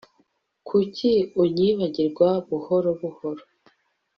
Kuki unyibagirwa buhoro buhoro